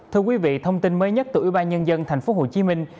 thưa quý vị thông tin mới nhất từ ủy ban nhân dân thành phố hồ chí minh